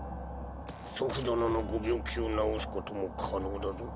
祖父殿のご病気を治すことも可能だぞ。